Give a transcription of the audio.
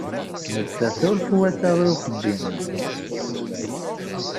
Nettat ur twata i uxeddim-a.